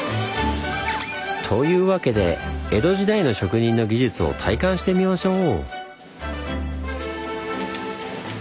というわけで江戸時代の職人の技術を体感してみましょう！